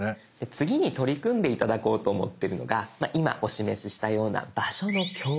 次に取り組んで頂こうと思ってるのが今お示ししたような「場所の共有」。